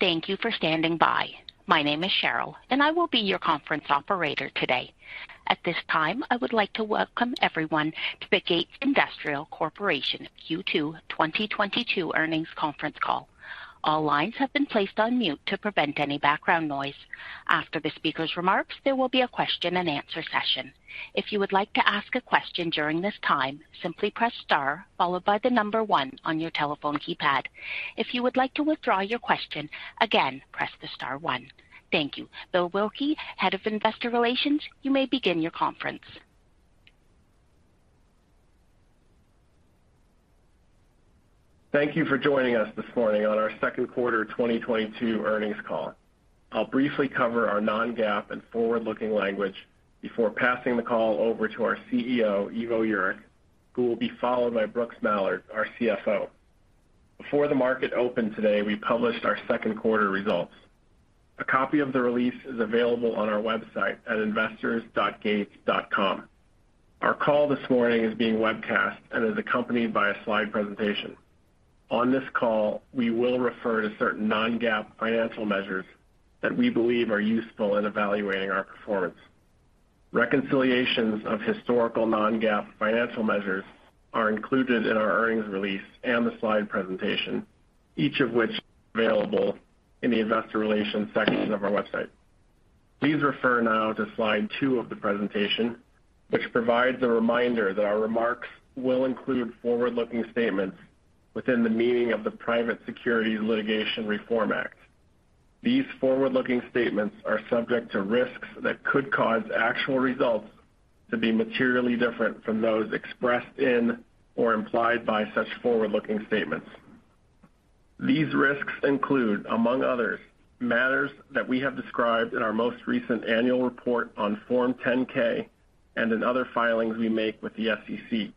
Thank you for standing by. My name is Cheryl, and I will be your conference operator today. At this time, I would like to welcome everyone to the Gates Industrial Corporation Q2 2022 earnings conference call. All lines have been placed on mute to prevent any background noise. After the speaker's remarks, there will be a question-and-answer session. If you would like to ask a question during this time, simply press star followed by the number one on your telephone keypad. If you would like to withdraw your question, again, press the star one. Thank you. Bill Waelke, Head of Investor Relations, you may begin your conference. Thank you for joining us this morning on our second quarter 2022 earnings call. I'll briefly cover our non-GAAP and forward-looking language before passing the call over to our CEO, Ivo Jurek, who will be followed by Brooks Mallard, our CFO. Before the market opened today, we published our second quarter results. A copy of the release is available on our website at investors.gates.com. Our call this morning is being webcast and is accompanied by a slide presentation. On this call, we will refer to certain non-GAAP financial measures that we believe are useful in evaluating our performance. Reconciliations of historical non-GAAP financial measures are included in our earnings release and the slide presentation, each of which is available in the investor relations section of our website. Please refer now to slide 2 of the presentation, which provides a reminder that our remarks will include forward-looking statements within the meaning of the Private Securities Litigation Reform Act. These forward-looking statements are subject to risks that could cause actual results to be materially different from those expressed in or implied by such forward-looking statements. These risks include, among others, matters that we have described in our most recent annual report on Form 10-K and in other filings we make with the SEC.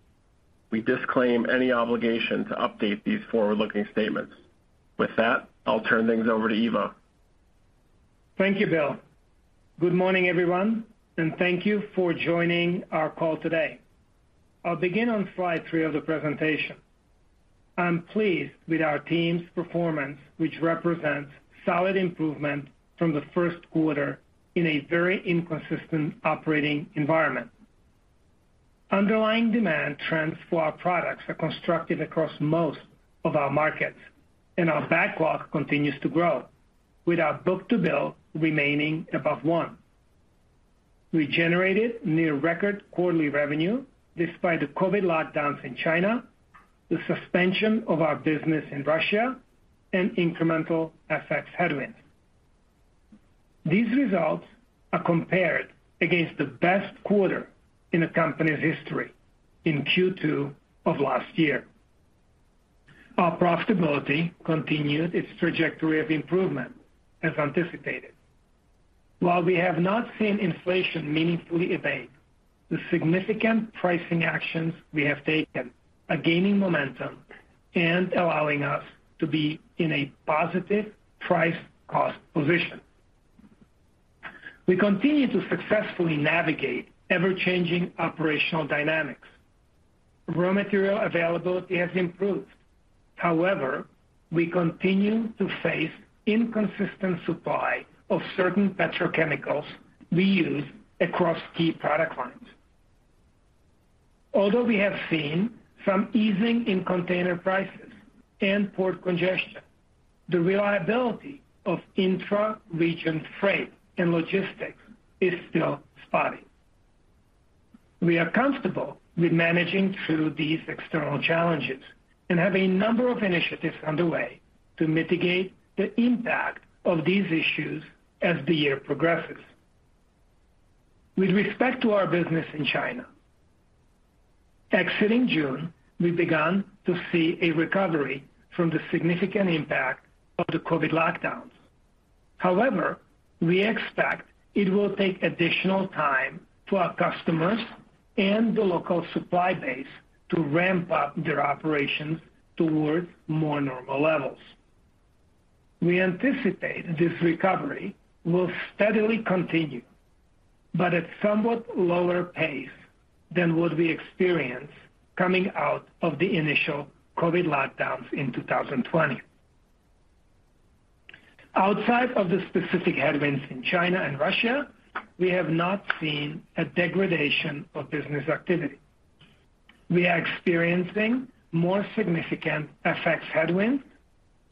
We disclaim any obligation to update these forward-looking statements. With that, I'll turn things over to Ivo. Thank you, Bill. Good morning, everyone, and thank you for joining our call today. I'll begin on slide 3 of the presentation. I'm pleased with our team's performance, which represents solid improvement from the first quarter in a very inconsistent operating environment. Underlying demand trends for our products are consistent across most of our markets, and our backlog continues to grow, with our book-to-bill remaining above one. We generated near record quarterly revenue despite the COVID lockdowns in China, the suspension of our business in Russia, and incremental FX headwinds. These results are compared against the best quarter in the company's history in Q2 of last year. Our profitability continued its trajectory of improvement as anticipated. While we have not seen inflation meaningfully abate, the significant pricing actions we have taken are gaining momentum and allowing us to be in a positive price cost position. We continue to successfully navigate ever-changing operational dynamics. Raw material availability has improved. However, we continue to face inconsistent supply of certain petrochemicals we use across key product lines. Although we have seen some easing in container prices and port congestion, the reliability of intra-region freight and logistics is still spotty. We are comfortable with managing through these external challenges and have a number of initiatives underway to mitigate the impact of these issues as the year progresses. With respect to our business in China, exiting June, we began to see a recovery from the significant impact of the COVID lockdowns. However, we expect it will take additional time for our customers and the local supply base to ramp up their operations towards more normal levels. We anticipate this recovery will steadily continue, but at somewhat lower pace than what we experienced coming out of the initial COVID lockdowns in 2020. Outside of the specific headwinds in China and Russia, we have not seen a degradation of business activity. We are experiencing more significant FX headwinds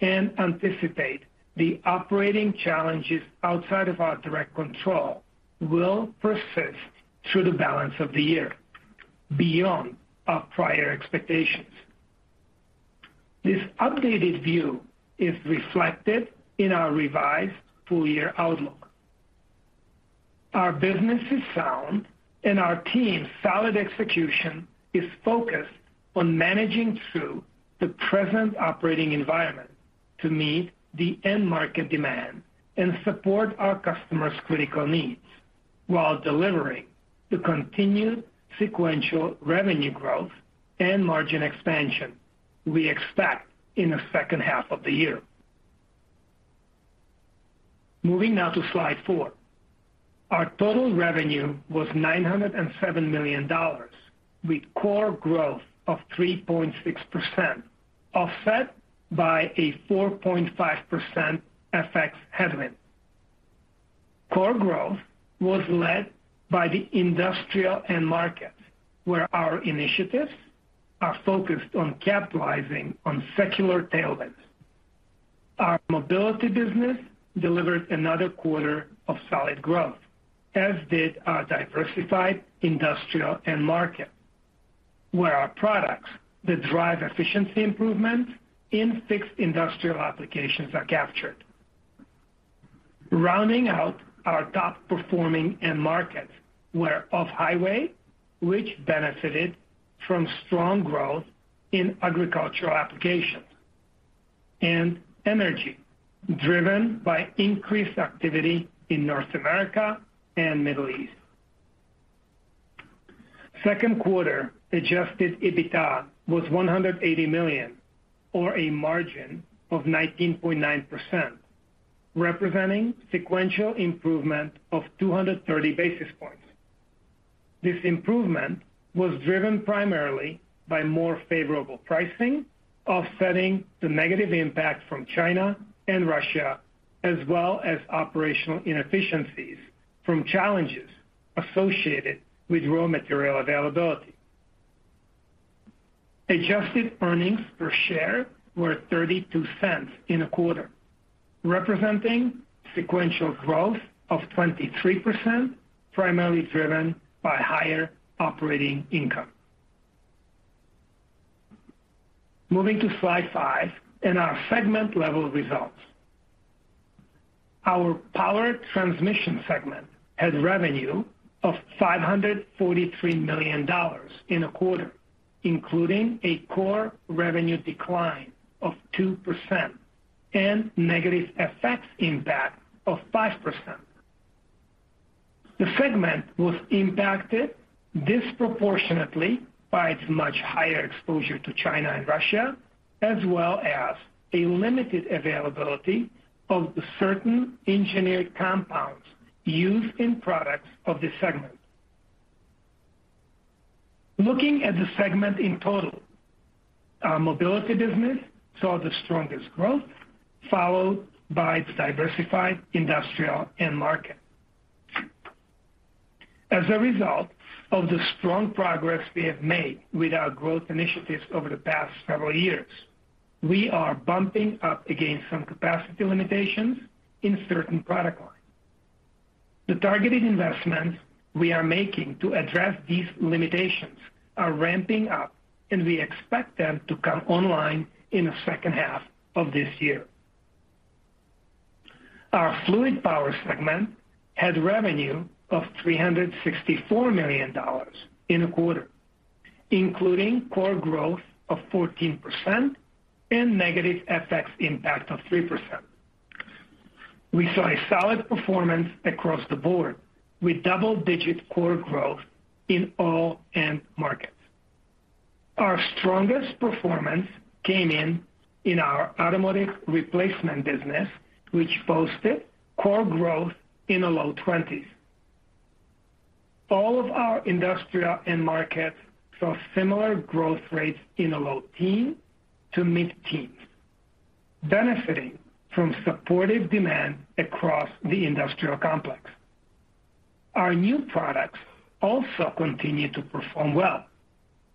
and anticipate the operating challenges outside of our direct control will persist through the balance of the year beyond our prior expectations. This updated view is reflected in our revised full-year outlook. Our business is sound and our team's solid execution is focused on managing through the present operating environment to meet the end market demand and support our customers' critical needs while delivering the continued sequential revenue growth and margin expansion we expect in the second half of the year. Moving now to slide 4. Our total revenue was $907 million, with core growth of 3.6%, offset by a 4.5% FX headwind. Core growth was led by the industrial end market, where our initiatives are focused on capitalizing on secular tailwinds. Our mobility business delivered another quarter of solid growth, as did our diversified industrial end market, where our products that drive efficiency improvement in fixed industrial applications are captured. Rounding out our top performing end markets were off-highway, which benefited from strong growth in agricultural applications, and energy, driven by increased activity in North America and Middle East. Second quarter adjusted EBITDA was $180 million, or a margin of 19.9%, representing sequential improvement of 230 basis points. This improvement was driven primarily by more favorable pricing, offsetting the negative impact from China and Russia, as well as operational inefficiencies from challenges associated with raw material availability. Adjusted earnings per share were $0.32 in the quarter, representing sequential growth of 23%, primarily driven by higher operating income. Moving to slide 5 and our segment level results. Our Power Transmission segment had revenue of $543 million in the quarter, including a core revenue decline of 2% and negative FX impact of 5%. The segment was impacted disproportionately by its much higher exposure to China and Russia, as well as a limited availability of a certain engineered compounds used in products of this segment. Looking at the segment in total, our mobility business saw the strongest growth, followed by its diversified industrial end market. As a result of the strong progress we have made with our growth initiatives over the past several years, we are bumping up against some capacity limitations in certain product lines. The targeted investments we are making to address these limitations are ramping up, and we expect them to come online in the second half of this year. Our Fluid Power segment had revenue of $364 million in the quarter, including core growth of 14% and negative FX impact of 3%. We saw a solid performance across the board with double-digit core growth in all end markets. Our strongest performance came in our automotive replacement business, which boasted core growth in the low 20s. All of our industrial end markets saw similar growth rates in the low teens to mid-teens, benefiting from supportive demand across the industrial complex. Our new products also continue to perform well,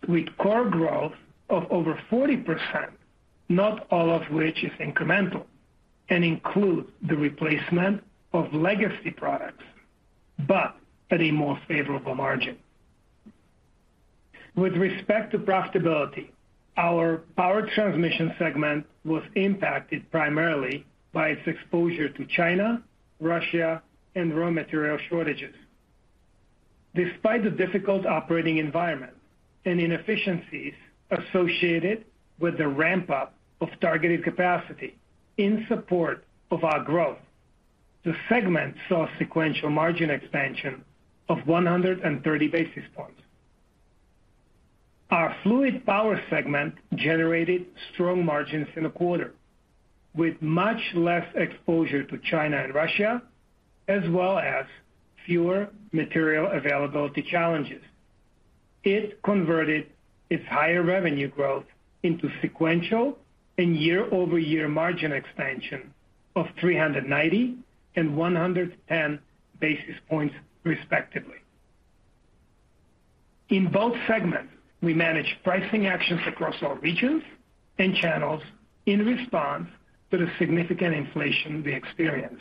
with core growth of over 40%, not all of which is incremental and includes the replacement of legacy products, but at a more favorable margin. With respect to profitability, our Power Transmission segment was impacted primarily by its exposure to China, Russia, and raw material shortages. Despite the difficult operating environment and inefficiencies associated with the ramp-up of targeted capacity in support of our growth, the segment saw sequential margin expansion of 130 basis points. Our Fluid Power segment generated strong margins in the quarter with much less exposure to China and Russia, as well as fewer material availability challenges. It converted its higher revenue growth into sequential and year-over-year margin expansion of 390 and 110 basis points, respectively. In both segments, we manage pricing actions across all regions and channels in response to the significant inflation we experience.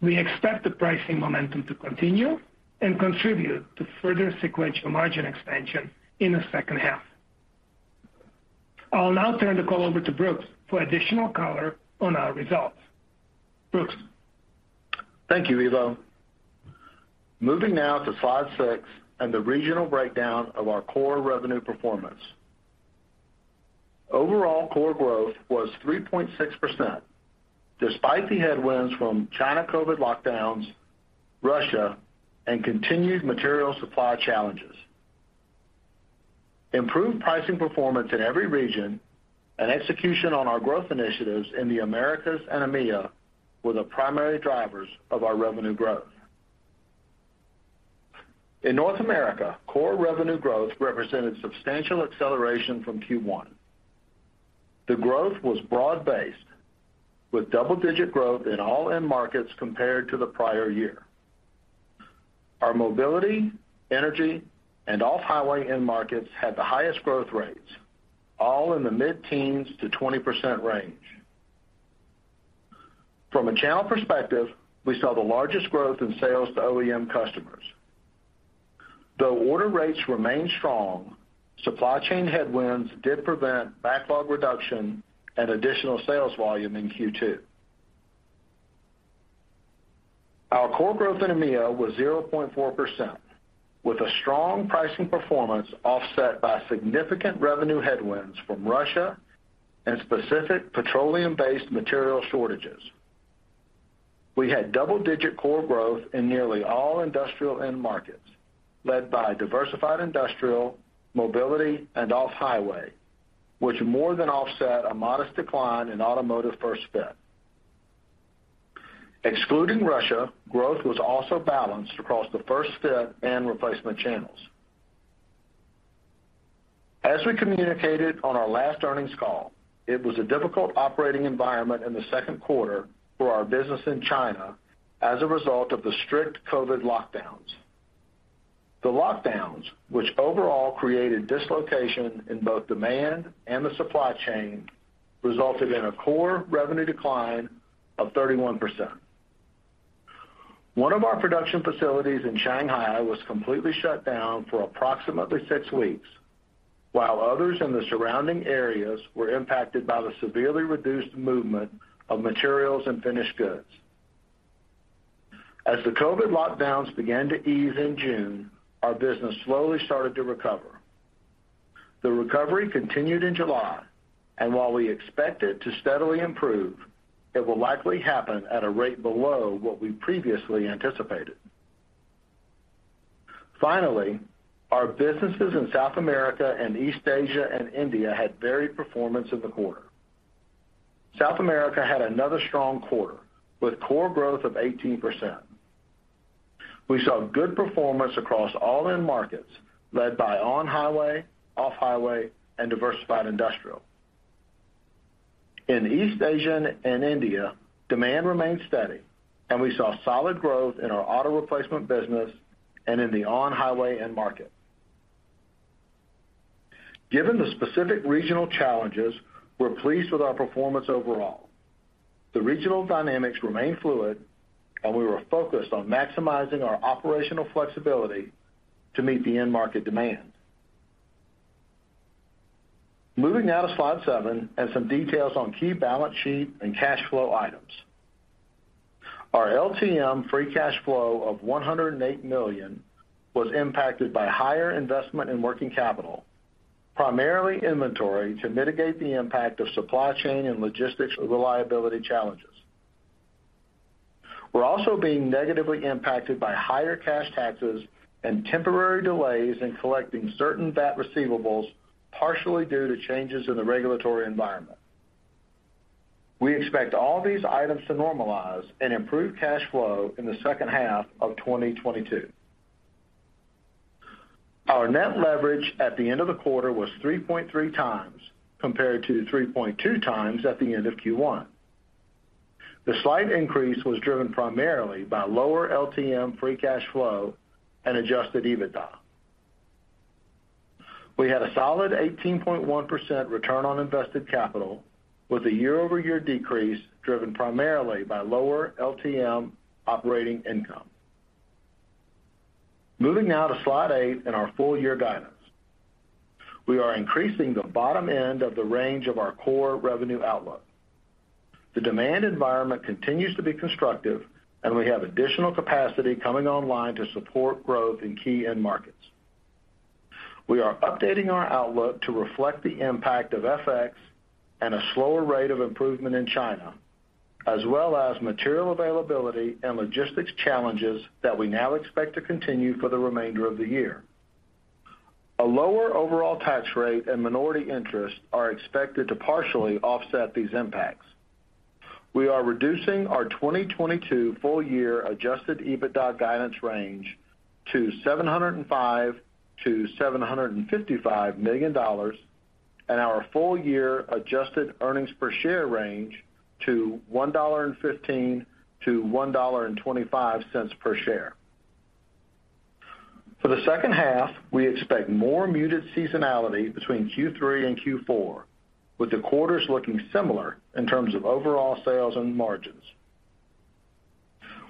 We expect the pricing momentum to continue and contribute to further sequential margin expansion in the second half. I'll now turn the call over to Brooks for additional color on our results. Brooks? Thank you, Ivo. Moving now to slide six and the regional breakdown of our core revenue performance. Overall core growth was 3.6% despite the headwinds from China COVID lockdowns, Russia, and continued material supply challenges. Improved pricing performance in every region and execution on our growth initiatives in the Americas and EMEA were the primary drivers of our revenue growth. In North America, core revenue growth represented substantial acceleration from Q1. The growth was broad-based, with double-digit growth in all end markets compared to the prior year. Our mobility, energy, and off-highway end markets had the highest growth rates, all in the mid-teens to 20% range. From a channel perspective, we saw the largest growth in sales to OEM customers. Though order rates remained strong, supply chain headwinds did prevent backlog reduction and additional sales volume in Q2. Our core growth in EMEA was 0.4%, with a strong pricing performance offset by significant revenue headwinds from Russia and specific petroleum-based material shortages. We had double-digit core growth in nearly all industrial end markets, led by diversified industrial, mobility, and off-highway, which more than offset a modest decline in automotive first fit. Excluding Russia, growth was also balanced across the first fit and replacement channels. As we communicated on our last earnings call, it was a difficult operating environment in the second quarter for our business in China as a result of the strict COVID lockdowns. The lockdowns, which overall created dislocation in both demand and the supply chain, resulted in a core revenue decline of 31%. One of our production facilities in Shanghai was completely shut down for approximately 6 weeks, while others in the surrounding areas were impacted by the severely reduced movement of materials and finished goods. As the COVID lockdowns began to ease in June, our business slowly started to recover. The recovery continued in July, and while we expect it to steadily improve, it will likely happen at a rate below what we previously anticipated. Our businesses in South America and East Asia and India had varied performance in the quarter. South America had another strong quarter with core growth of 18%. We saw good performance across all end markets led by on-highway, off-highway, and diversified industrial. In East Asian and India, demand remained steady, and we saw solid growth in our auto replacement business and in the on-highway end market. Given the specific regional challenges, we're pleased with our performance overall. The regional dynamics remain fluid, and we are focused on maximizing our operational flexibility to meet the end market demand. Moving now to slide 7 and some details on key balance sheet and cash flow items. Our LTM free cash flow of $108 million was impacted by higher investment in working capital, primarily inventory, to mitigate the impact of supply chain and logistics reliability challenges. We're also being negatively impacted by higher cash taxes and temporary delays in collecting certain VAT receivables, partially due to changes in the regulatory environment. We expect all these items to normalize and improve cash flow in the second half of 2022. Our net leverage at the end of the quarter was 3.3 times, compared to 3.2 times at the end of Q1. The slight increase was driven primarily by lower LTM free cash flow and adjusted EBITDA. We had a solid 18.1% return on invested capital, with a year-over-year decrease driven primarily by lower LTM operating income. Moving now to slide 8 and our full-year guidance. We are increasing the bottom end of the range of our core revenue outlook. The demand environment continues to be constructive and we have additional capacity coming online to support growth in key end markets. We are updating our outlook to reflect the impact of FX and a slower rate of improvement in China, as well as material availability and logistics challenges that we now expect to continue for the remainder of the year. A lower overall tax rate and minority interest are expected to partially offset these impacts. We are reducing our 2022 full year adjusted EBITDA guidance range to $705 million-$755 million and our full year adjusted earnings per share range to $1.15-$1.25 per share. For the second half, we expect more muted seasonality between Q3 and Q4, with the quarters looking similar in terms of overall sales and margins.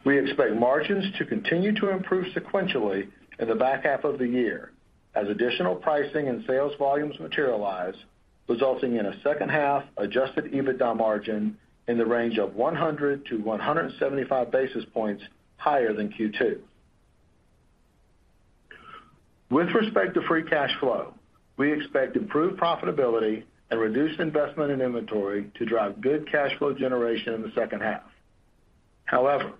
We expect margins to continue to improve sequentially in the back half of the year as additional pricing and sales volumes materialize, resulting in a second half adjusted EBITDA margin in the range of 100-175 basis points higher than Q2. With respect to free cash flow, we expect improved profitability and reduced investment in inventory to drive good cash flow generation in the second half. However,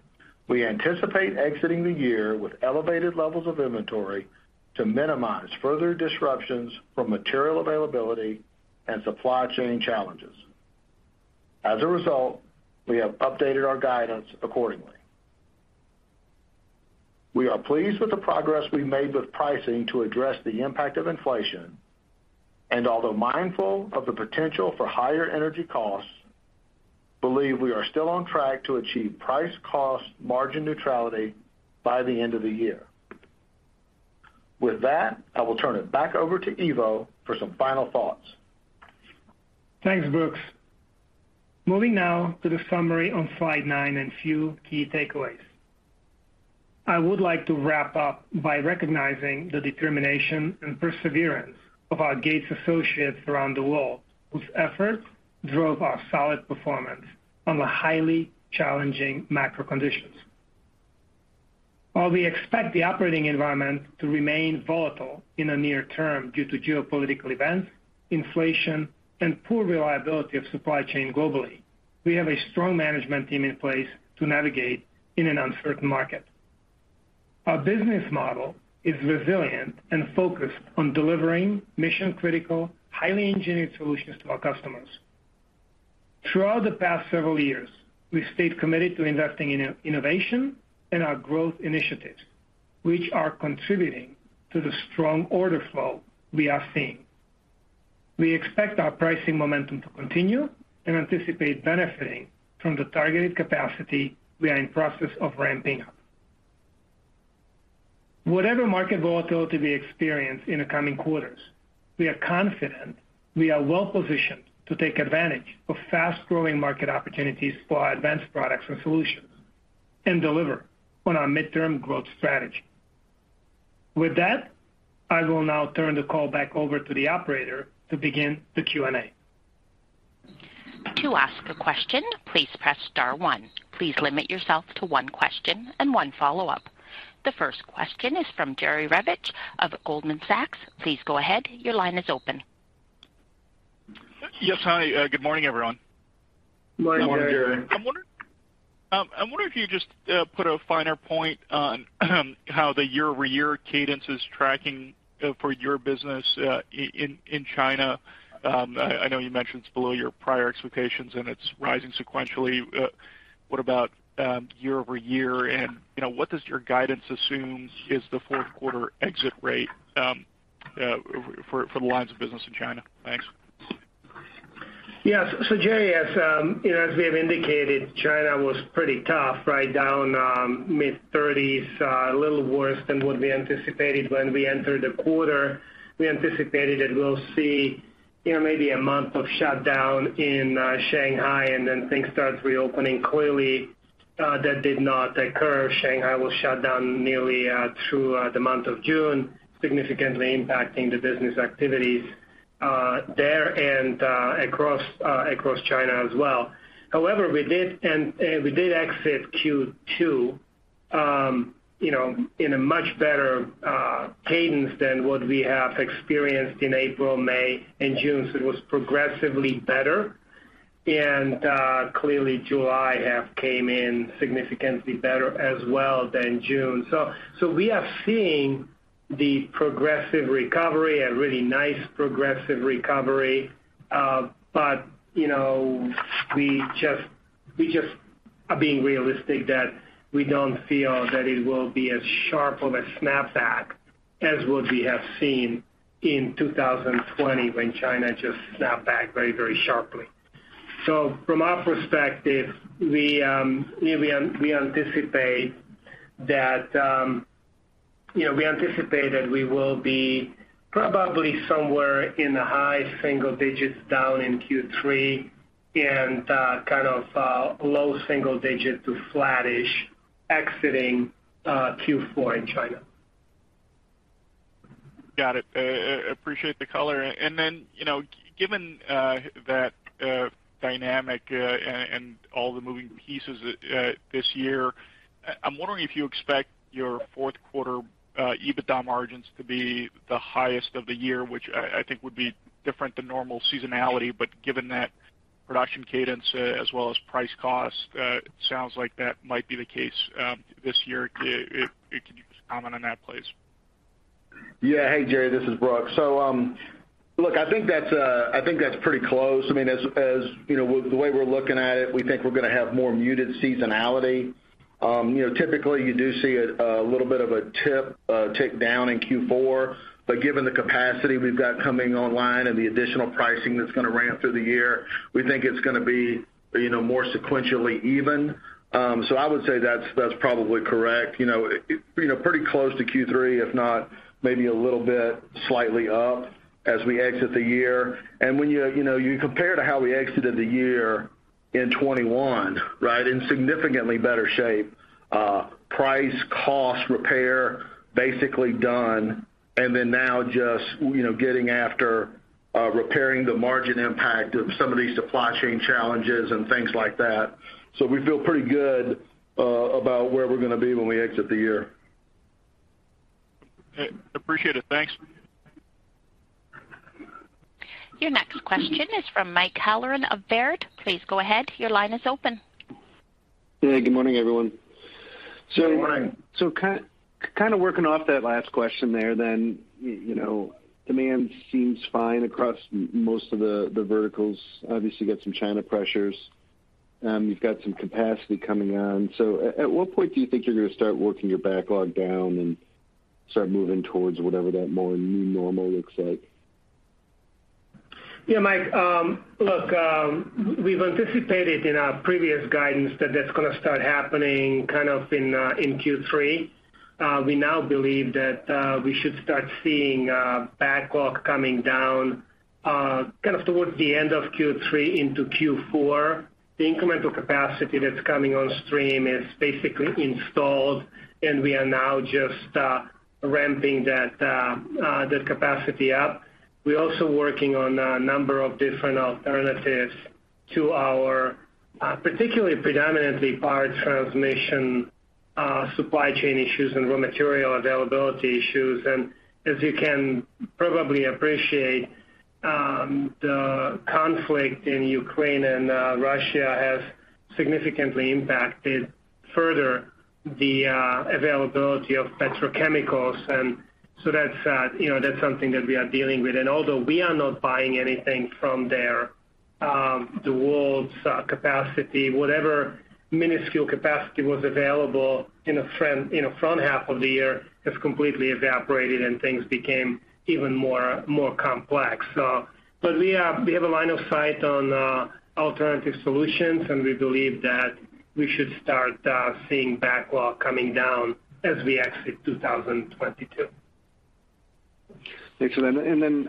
we anticipate exiting the year with elevated levels of inventory to minimize further disruptions from material availability and supply chain challenges. As a result, we have updated our guidance accordingly. We are pleased with the progress we've made with pricing to address the impact of inflation. Although mindful of the potential for higher energy costs, believe we are still on track to achieve price cost margin neutrality by the end of the year. With that, I will turn it back over to Ivo for some final thoughts. Thanks, Brooks. Moving now to the summary on slide nine and a few key takeaways. I would like to wrap up by recognizing the determination and perseverance of our Gates associates around the world, whose efforts drove our solid performance on the highly challenging macro conditions. While we expect the operating environment to remain volatile in the near term due to geopolitical events, inflation, and poor reliability of supply chain globally, we have a strong management team in place to navigate in an uncertain market. Our business model is resilient and focused on delivering mission-critical, highly engineered solutions to our customers. Throughout the past several years, we've stayed committed to investing in innovation and our growth initiatives, which are contributing to the strong order flow we are seeing. We expect our pricing momentum to continue and anticipate benefiting from the targeted capacity we are in process of ramping up. Whatever market volatility we experience in the coming quarters, we are confident we are well-positioned to take advantage of fast-growing market opportunities for our advanced products and solutions and deliver on our midterm growth strategy. With that, I will now turn the call back over to the operator to begin the Q&A. To ask a question, please press star one. Please limit yourself to one question and one follow-up. The first question is from Jerry Revich of Goldman Sachs. Please go ahead. Your line is open. Yes. Hi. Good morning, everyone. Good morning, Jerry. I'm wondering if you just put a finer point on how the year-over-year cadence is tracking for your business in China. I know you mentioned it's below your prior expectations, and it's rising sequentially. What about year-over-year? You know, what does your guidance assume is the fourth quarter exit rate for the lines of business in China? Thanks. Yes. Jerry, as you know, as we have indicated, China was pretty tough, right down mid-30s%, a little worse than what we anticipated when we entered the quarter. We anticipated that we'll see maybe a month of shutdown in Shanghai, and then things start reopening. Clearly, that did not occur. Shanghai was shut down nearly through the month of June, significantly impacting the business activities there and across China as well. However, we did exit Q2 in a much better cadence than what we have experienced in April, May, and June. It was progressively better. Clearly, July has come in significantly better as well than June. We have seen the progressive recovery, a really nice progressive recovery. you know, we just are being realistic that we don't feel that it will be as sharp of a snap back as what we have seen in 2020 when China just snapped back very, very sharply. From our perspective, we anticipate that, you know, we anticipate that we will be probably somewhere in the high single digits down in Q3 and, kind of, low single digit to flattish exiting Q4 in China. Got it. Appreciate the color. Then, you know, given that dynamic and all the moving pieces this year, I'm wondering if you expect your fourth quarter EBITDA margins to be the highest of the year, which I think would be different than normal seasonality, but given that production cadence as well as price cost, it sounds like that might be the case this year. Could you just comment on that, please? Yeah. Hey, Jerry, this is Brooks. Look, I think that's pretty close. I mean, as you know, the way we're looking at it, we think we're gonna have more muted seasonality. You know, typically you do see a little bit of a tick down in Q4, but given the capacity we've got coming online and the additional pricing that's gonna ramp through the year, we think it's gonna be more sequentially even. I would say that's probably correct. You know, it's pretty close to Q3, if not, maybe a little bit slightly up as we exit the year. When you compare to how we exited the year in 2021, right, in significantly better shape, price, cost, repair, basically done. Then now just, you know, getting after repairing the margin impact of some of these supply chain challenges and things like that. We feel pretty good about where we're gonna be when we exit the year. Appreciate it. Thanks. Your next question is from Mike Halloran of Baird. Please go ahead. Your line is open. Yeah. Good morning, everyone. Good morning. Kind of working off that last question there then, you know, demand seems fine across most of the verticals. Obviously, you got some China pressures. You've got some capacity coming on. At what point do you think you're gonna start working your backlog down and start moving towards whatever that more new normal looks like? Yeah, Mike, look, we've anticipated in our previous guidance that that's gonna start happening kind of in Q3. We now believe that we should start seeing backlog coming down kind of towards the end of Q3 into Q4. The incremental capacity that's coming on stream is basically installed, and we are now just ramping that capacity up. We're also working on a number of different alternatives to our particularly predominantly Power Transmission supply chain issues and raw material availability issues. As you can probably appreciate, the conflict in Ukraine and Russia has significantly impacted further the availability of petrochemicals. That's, you know, something that we are dealing with. Although we are not buying anything from there, the world's capacity, whatever minuscule capacity was available in the front half of the year has completely evaporated, and things became even more complex. We have a line of sight on alternative solutions, and we believe that we should start seeing backlog coming down as we exit 2022. Thanks for that.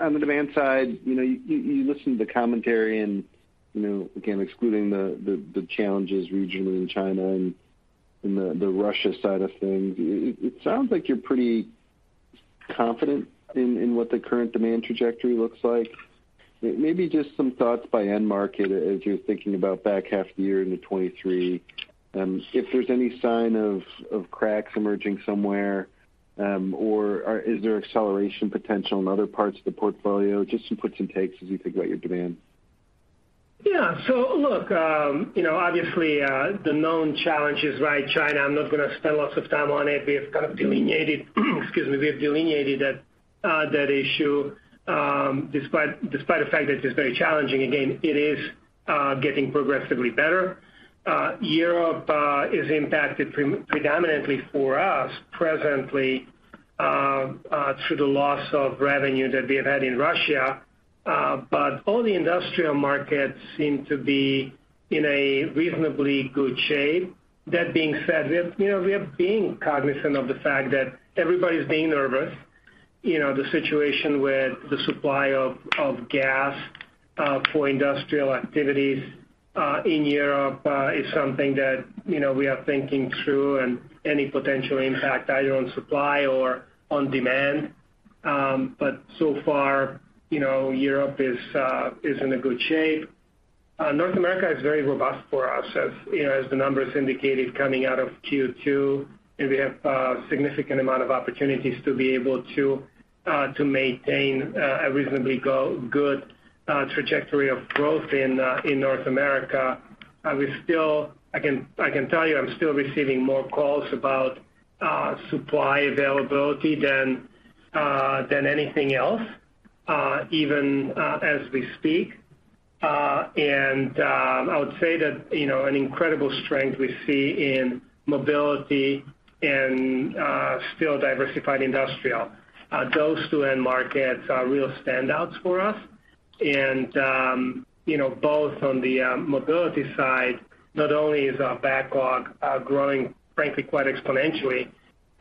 On the demand side, you know, you listened to the commentary and, you know, again, excluding the challenges regionally in China and the Russia side of things, it sounds like you're pretty confident in what the current demand trajectory looks like. Maybe just some thoughts by end market as you're thinking about back half the year into 2023, if there's any sign of cracks emerging somewhere, or is there acceleration potential in other parts of the portfolio? Just some puts and takes as you think about your demand. Yeah. Look, you know, obviously, the known challenge is, right, China. I'm not gonna spend lots of time on it. We have delineated that issue, despite the fact that it's very challenging. Again, it is getting progressively better. Europe is impacted predominantly for us presently through the loss of revenue that we have had in Russia. All the industrial markets seem to be in a reasonably good shape. That being said, you know, we are being cognizant of the fact that everybody's being nervous. You know, the situation with the supply of gas for industrial activities in Europe is something that, you know, we are thinking through and any potential impact either on supply or on demand. So far, you know, Europe is in a good shape. North America is very robust for us as, you know, as the numbers indicated coming out of Q2. We have a significant amount of opportunities to be able to maintain a reasonably good trajectory of growth in North America. I can tell you, I'm still receiving more calls about supply availability than anything else, even as we speak. I would say that, you know, an incredible strength we see in mobility and still diversified industrial. Those two end markets are real standouts for us. You know, both on the mobility side, not only is our backlog growing frankly quite exponentially,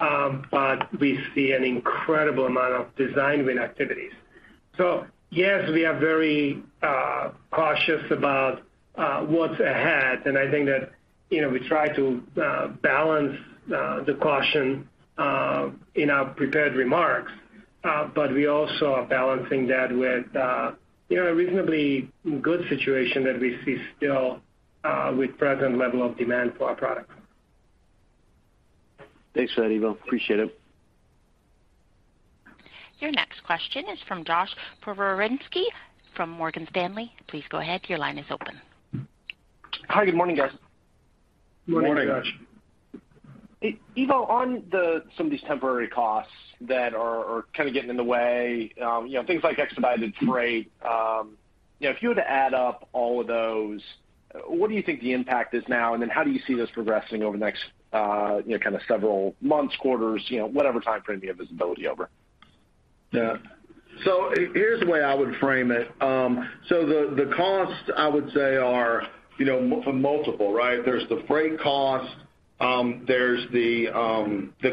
but we see an incredible amount of design win activities. Yes, we are very cautious about what's ahead, and I think that you know, we try to balance the caution in our prepared remarks, but we also are balancing that with you know, a reasonably good situation that we see still with present level of demand for our products. Thanks for that, Ivo. Appreciate it. Your next question is from Josh Pokrzywinski from Morgan Stanley. Please go ahead. Your line is open. Hi. Good morning, guys. Good morning. Morning, Josh. Ivo, on some of these temporary costs that are kind of getting in the way, you know, things like expedited freight, you know, if you were to add up all of those, what do you think the impact is now? Then how do you see this progressing over the next, you know, kind of several months, quarters, you know, whatever timeframe you have visibility over? Here's the way I would frame it. The costs I would say are, you know, multiple, right? There's the freight cost. There's the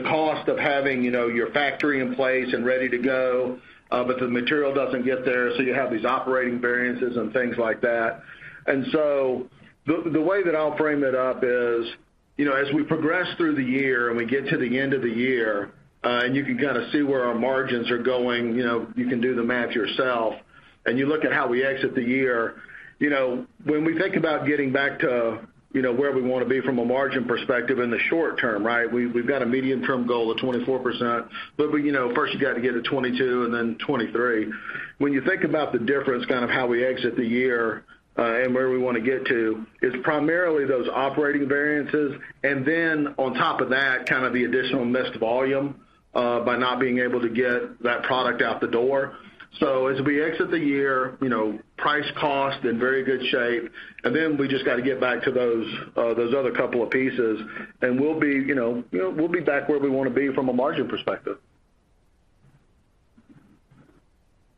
cost of having, you know, your factory in place and ready to go, but the material doesn't get there, so you have these operating variances and things like that. The way that I'll frame it up is You know, as we progress through the year, and we get to the end of the year, and you can kinda see where our margins are going, you know, you can do the math yourself, and you look at how we exit the year. You know, when we think about getting back to, you know, where we wanna be from a margin perspective in the short term, right? We've got a medium-term goal of 24%, but you know, first you got to get to 22 and then 23. When you think about the difference, kind of how we exit the year, and where we wanna get to, is primarily those operating variances, and then on top of that, kind of the additional missed volume, by not being able to get that product out the door. As we exit the year, you know, price cost in very good shape, and then we just gotta get back to those other couple of pieces, and we'll be, you know, we'll be back where we wanna be from a margin perspective.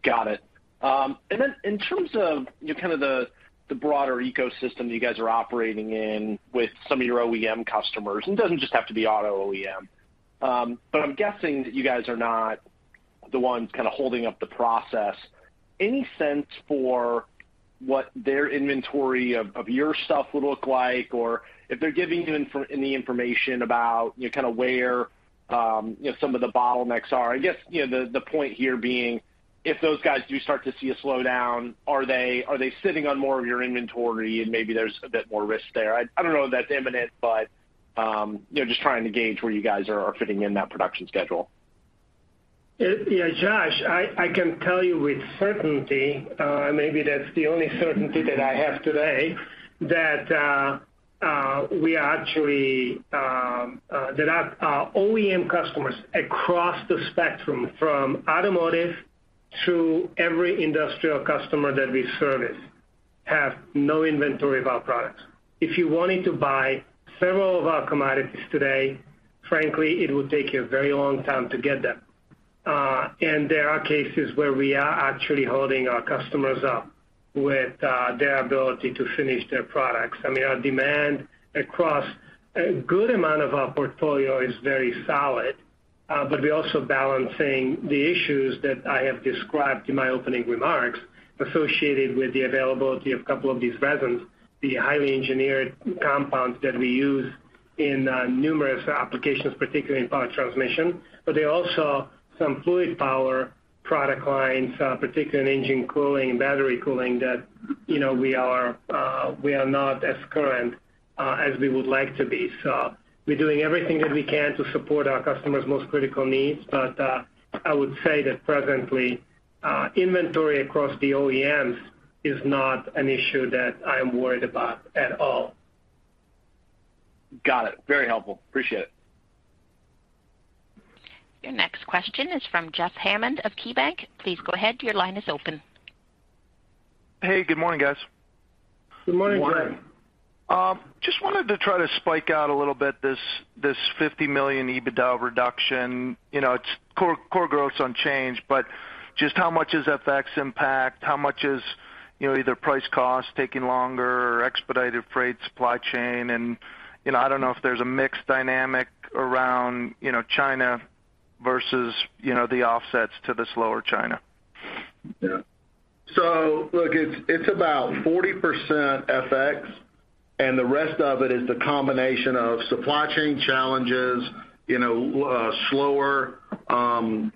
Got it. Then in terms of, you know, kind of the broader ecosystem that you guys are operating in with some of your OEM customers, and it doesn't just have to be auto OEM. I'm guessing that you guys are not the ones kind of holding up the process. Any sense for what their inventory of your stuff would look like? Or if they're giving you any information about, you know, kind of where, you know, some of the bottlenecks are. I guess, you know, the point here being, if those guys do start to see a slowdown, are they sitting on more of your inventory and maybe there's a bit more risk there? I don't know if that's imminent, but, you know, just trying to gauge where you guys are fitting in that production schedule. Yeah, Josh, I can tell you with certainty, maybe that's the only certainty that I have today, that our OEM customers across the spectrum, from automotive to every industrial customer that we service, have no inventory of our products. If you wanted to buy several of our commodities today, frankly, it would take you a very long time to get them. There are cases where we are actually holding our customers up with their ability to finish their products. I mean, our demand across a good amount of our portfolio is very solid, but we're also balancing the issues that I have described in my opening remarks associated with the availability of a couple of these resins, the highly engineered compounds that we use in numerous applications, particularly in Power Transmission. There are also some Fluid Power product lines, particularly in Engine Cooling and Battery Cooling, that, you know, we are not as current as we would like to be. We're doing everything that we can to support our customers' most critical needs, but I would say that presently inventory across the OEMs is not an issue that I am worried about at all. Got it. Very helpful. Appreciate it. Your next question is from Jeff Hammond of KeyBanc. Please go ahead. Your line is open. Hey, good morning, guys. Good morning, Jeff. Morning. Just wanted to try to size out a little bit this $50 million EBITDA reduction. You know, it's core growth's unchanged, but just how much is FX impact? How much is, you know, either price cost taking longer or expedited freight supply chain? You know, I don't know if there's a mixed dynamic around, you know, China versus, you know, the offsets to the slower China. Look, it's about 40% FX, and the rest of it is the combination of supply chain challenges, you know, slower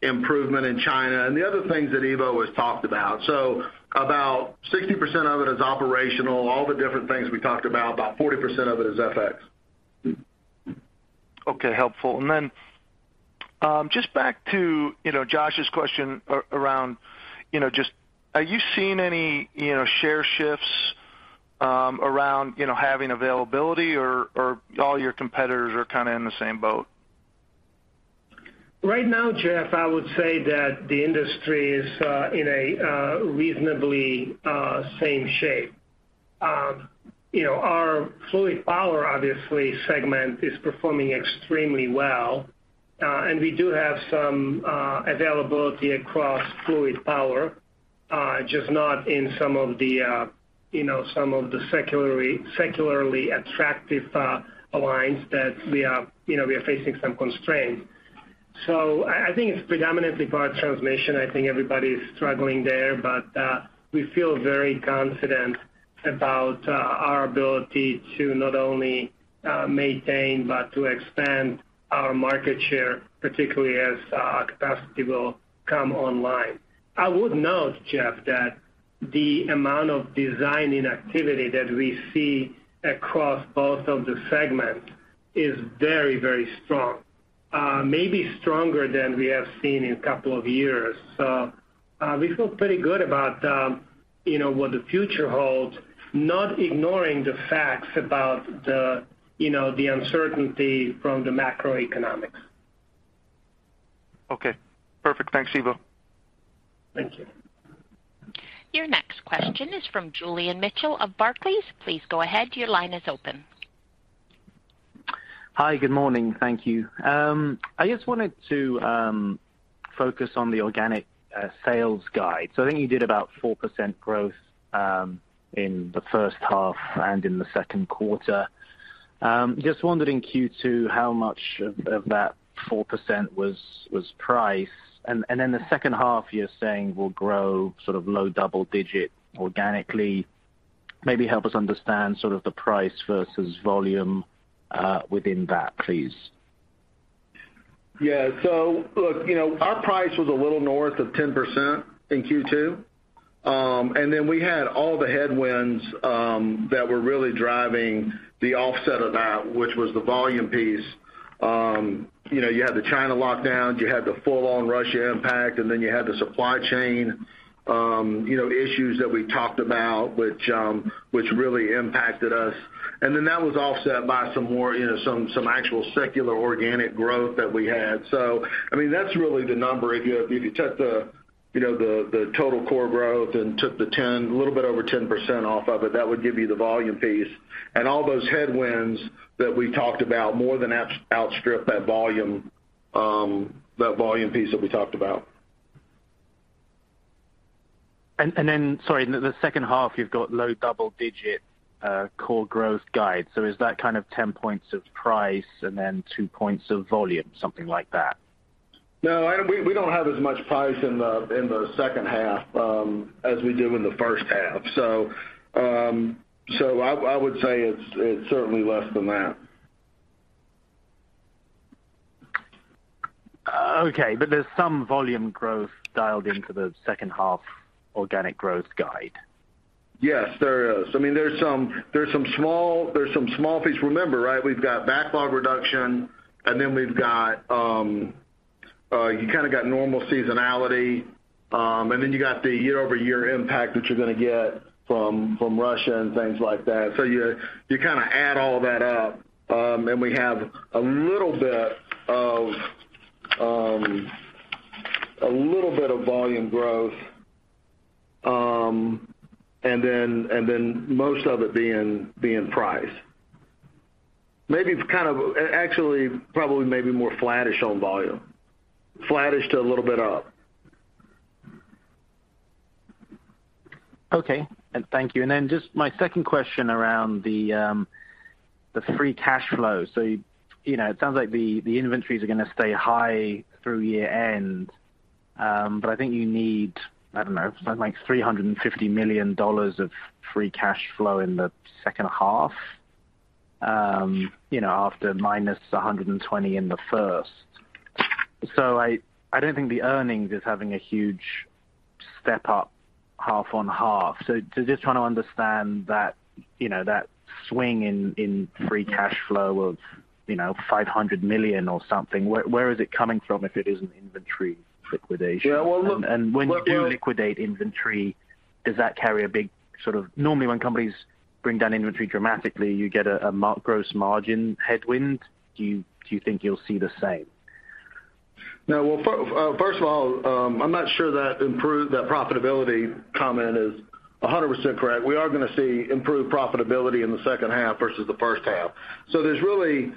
improvement in China and the other things that Ivo has talked about. About 60% of it is operational. All the different things we talked about 40% of it is FX. Okay, helpful. Just back to, you know, Josh's question around, you know, just are you seeing any, you know, share shifts around, you know, having availability or all your competitors are kind of in the same boat? Right now, Jeff, I would say that the industry is in a reasonably same shape. You know, our Fluid Power, obviously, segment is performing extremely well, and we do have some availability across Fluid Power, just not in some of the, you know, some of the secularly attractive lines that we are, you know, we are facing some constraints. I think it's predominantly Power Transmission. I think everybody is struggling there. We feel very confident about our ability to not only maintain, but to expand our market share, particularly as capacity will come online. I would note, Jeff, that the amount of designing activity that we see across both of the segments is very, very strong. Maybe stronger than we have seen in a couple of years. We feel pretty good about, you know, what the future holds, not ignoring the facts about the, you know, the uncertainty from the macroeconomics. Okay. Perfect. Thanks, Ivo. Thank you. Your next question is from Julian Mitchell of Barclays. Please go ahead. Your line is open. Hi. Good morning. Thank you. I just wanted to focus on the organic sales guide. I think you did about 4% growth in the first half and in the second quarter. Just wondering Q2, how much of that 4% was price. Then the second half you're saying will grow sort of low double digit organically. Maybe help us understand sort of the price versus volume within that, please? Yeah. Look, you know, our price was a little north of 10% in Q2. And then we had all the headwinds that were really driving the offset of that, which was the volume piece. You know, you had the China lockdowns, you had the full-on Russia impact, and then you had the supply chain, you know, issues that we talked about, which really impacted us. That was offset by some more, you know, some actual secular organic growth that we had. I mean, that's really the number. If you took the, you know, the total core growth and took the 10, a little bit over 10% off of it, that would give you the volume piece. All those headwinds that we talked about more than outstrip that volume piece that we talked about. Sorry, in the second half you've got low double-digit core growth guide. Is that kind of 10 points of price and then 2 points of volume, something like that? No, we don't have as much price in the second half as we do in the first half. I would say it's certainly less than that. Okay, there's some volume growth dialed into the second half organic growth guide. Yes, there is. I mean, there's some small piece. Remember, right, we've got backlog reduction, and then we've got you kinda got normal seasonality, and then you got the year-over-year impact that you're gonna get from Russia and things like that. You kinda add all that up, and we have a little bit of volume growth, and then most of it being price. Actually, probably maybe more flattish on volume. Flattish to a little bit up. Okay. Thank you. Just my second question around the free cash flow. You know, it sounds like the inventories are gonna stay high through year-end. But I think you need, I don't know, something like $350 million of free cash flow in the second half, you know, after minus $120 million in the first. I don't think the earnings is having a huge step up half on half. Just trying to understand that, you know, that swing in free cash flow of, you know, $500 million or something. Where is it coming from if it isn't inventory liquidation? Yeah, well, look. When you liquidate inventory, does that carry a big sort of gross margin headwind? Normally, when companies bring down inventory dramatically, you get a gross margin headwind. Do you think you'll see the same? No. Well first of all, I'm not sure that profitability comment is 100% correct. We are gonna see improved profitability in the second half versus the first half. There's really,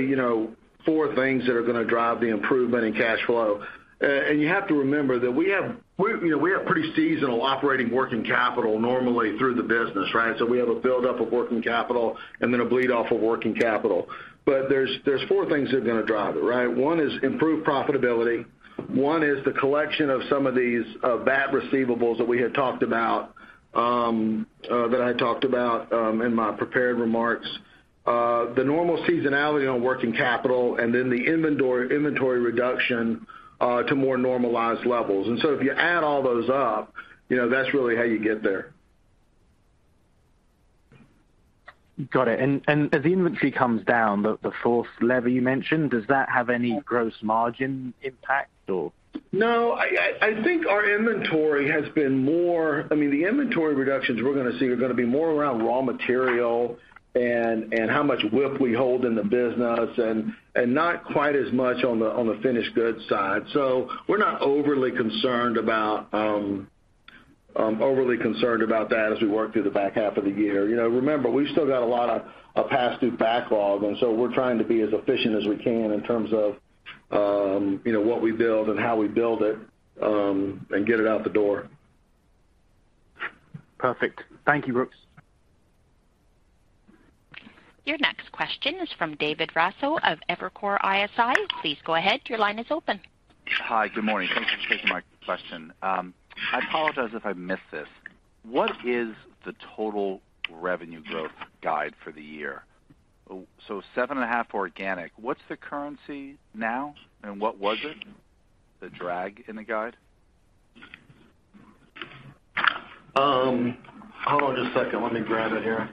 you know, four things that are gonna drive the improvement in cash flow. You have to remember that we have pretty seasonal operating working capital normally through the business, right? We have a buildup of working capital and then a bleed off of working capital. There's four things that are gonna drive it, right? One is improved profitability. One is the collection of some of these bad receivables that I talked about in my prepared remarks. The normal seasonality on working capital and then the inventory reduction to more normalized levels. If you add all those up, you know, that's really how you get there. Got it. As the inventory comes down, the fourth lever you mentioned, does that have any gross margin impact or? No, I think our inventory has been more. I mean, the inventory reductions we're gonna see are gonna be more around raw material and how much WIP we hold in the business and not quite as much on the finished goods side. We're not overly concerned about that as we work through the back half of the year. You know, remember, we've still got a lot of pass-through backlog, and we're trying to be as efficient as we can in terms of you know, what we build and how we build it and get it out the door. Perfect. Thank you, Brooks. Your next question is from David Raso of Evercore ISI. Please go ahead. Your line is open. Hi. Good morning. Thanks for taking my question. I apologize if I missed this. What is the total revenue growth guide for the year? 7.5% organic. What's the currency now, and what was it, the drag in the guide? Hold on just a second. Let me grab it here.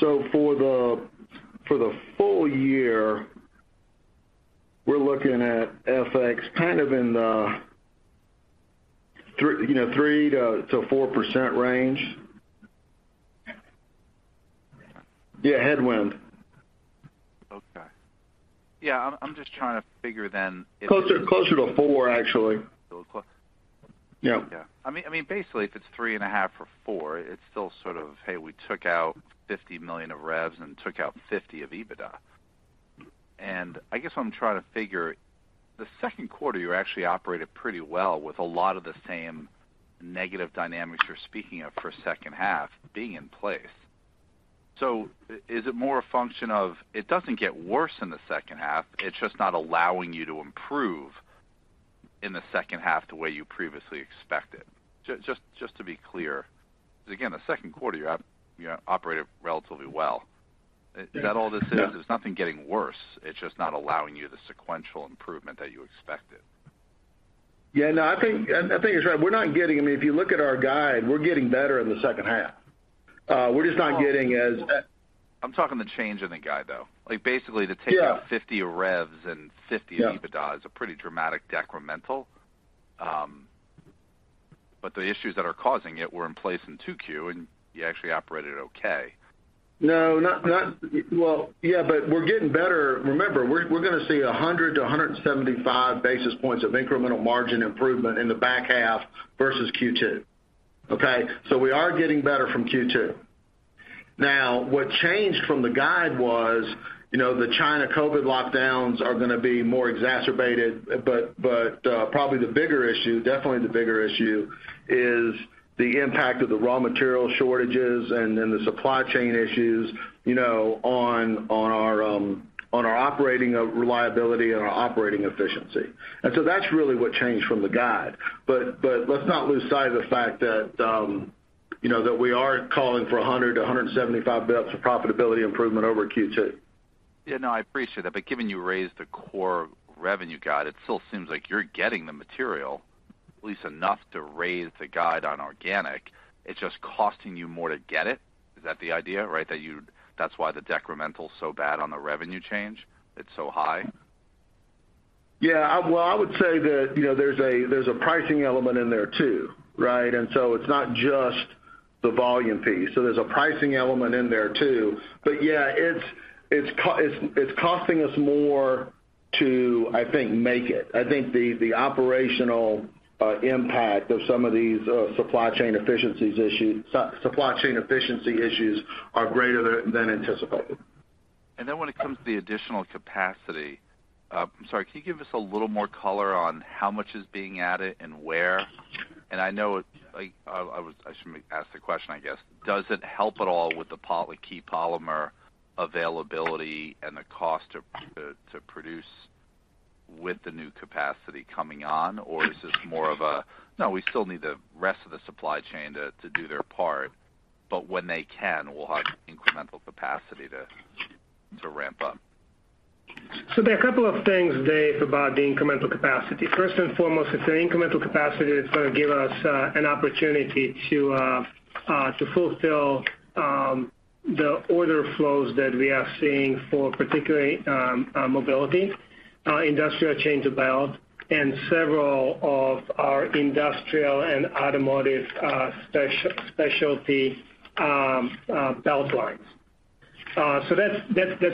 For the full year, we're looking at FX kind of in the 3%-4% range. Yeah, headwind. Okay. Yeah, I'm just trying to figure then if- Closer, closer to 4, actually. Yeah. Yeah. I mean, basically, if it's 3.5 or 4, it's still sort of, hey, we took out $50 million of revs and took out $50 million of EBITDA. I guess what I'm trying to figure. The second quarter, you actually operated pretty well with a lot of the same negative dynamics you're speaking of for second half being in place. Is it more a function of it doesn't get worse in the second half, it's just not allowing you to improve in the second half the way you previously expected? Just to be clear, 'cause again, the second quarter, you operated relatively well. Yeah. Is that all this is? It's nothing getting worse, it's just not allowing you the sequential improvement that you expected. Yeah, no, I think it's right. I mean, if you look at our guide, we're getting better in the second half. We're just not getting as- I'm talking the change in the guide, though. Like, basically to take out. Yeah 50 revs and 50- Yeah EBITDA is a pretty dramatic decremental. The issues that are causing it were in place in 2Q, and you actually operated okay. Well, yeah, but we're getting better. Remember, we're gonna see 100-175 basis points of incremental margin improvement in the back half versus Q2. Okay? So we are getting better from Q2. Now, what changed from the guide was, you know, the China COVID lockdowns are gonna be more exacerbated. But, probably the bigger issue, definitely the bigger issue is the impact of the raw material shortages and then the supply chain issues, you know, on our operating reliability and our operating efficiency. That's really what changed from the guide. But let's not lose sight of the fact that, you know, that we are calling for 100-175 basis points of profitability improvement over Q2. Yeah, no, I appreciate that. Given you raised the core revenue guide, it still seems like you're getting the material at least enough to raise the guide on organic. It's just costing you more to get it. Is that the idea, right? That's why the decremental is so bad on the revenue change. It's so high. Yeah. Well, I would say that, you know, there's a pricing element in there too, right? It's not just the volume piece. There's a pricing element in there too. Yeah, it's costing us more to, I think, make it. I think the operational impact of some of these supply chain efficiency issues are greater than anticipated. When it comes to the additional capacity, I'm sorry, can you give us a little more color on how much is being added and where? I know, like I shouldn't ask the question, I guess. Does it help at all with the key polymer availability and the cost to produce with the new capacity coming on? Or is this more of a, "No, we still need the rest of the supply chain to do their part, but when they can, we'll have incremental capacity to ramp up. There are a couple of things, David, about the incremental capacity. First and foremost, it's an incremental capacity that's gonna give us an opportunity to fulfill the order flows that we are seeing for particularly mobility, industrial chain-to-belt, and several of our industrial and automotive specialty belt lines. That's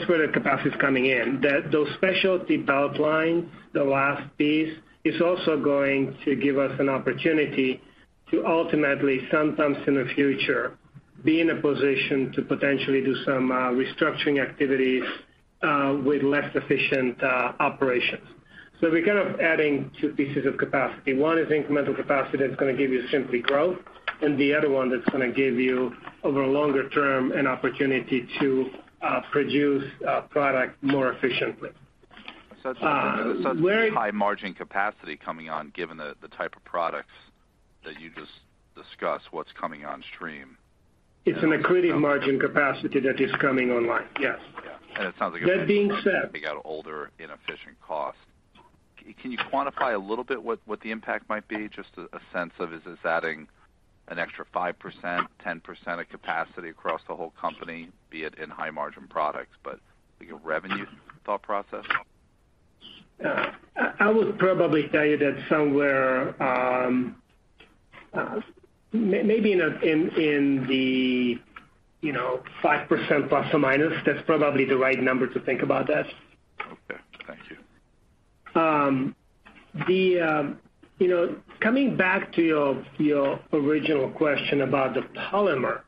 where the capacity is coming in. Those specialty belt lines, the last piece, is also going to give us an opportunity to ultimately, sometimes in the future, be in a position to potentially do some restructuring activities with less efficient operations. We're kind of adding two pieces of capacity. One is incremental capacity that's gonna give you simply growth, and the other one that's gonna give you, over a longer term, an opportunity to produce a product more efficiently. It's such a high margin capacity coming on, given the type of products that you just discussed, what's coming on stream? It's an accretive margin capacity that is coming online, yes. Yeah. It sounds like. That being said. older, inefficient costs. Can you quantify a little bit what the impact might be? Just a sense of is this adding an extra 5%, 10% of capacity across the whole company, be it in high margin products, but like a revenue thought process? Yeah. I would probably tell you that somewhere maybe in the, you know, 5% ±. That's probably the right number to think about that. Okay. Thank you. You know, coming back to your original question about the polymer.